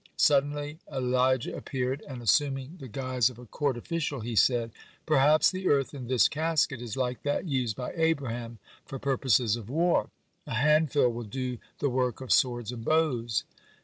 Suddenly Elijah appeared, and, assuming the guise of a court official, he said: "Perhaps the earth in this casket is like that used by Abraham for purposes of war. A handful will do the work of swords and bows."